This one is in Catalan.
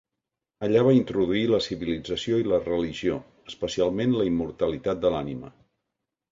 Allà va introduir la civilització i la religió, especialment la immortalitat de l'ànima.